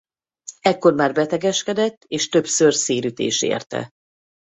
Ekkor már betegeskedett és többször szélütés érte.